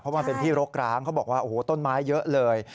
มันเป็นที่รกร้างเขาบอกว่าโอ้โหต้นไม้เยอะเลย